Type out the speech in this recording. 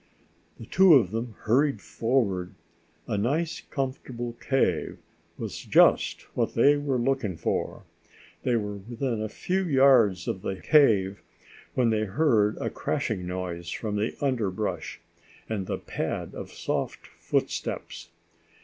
The two of them hurried forward. A nice comfortable cave was just what they were looking for! They were within a few yards of the cave, when they heard a crashing noise from the underbrush and the pad of soft footsteps.